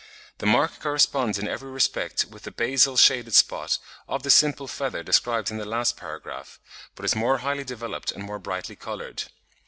The mark (b) corresponds in every respect with the basal shaded spot of the simple feather described in the last paragraph (Fig. 58), but is more highly developed and more brightly coloured.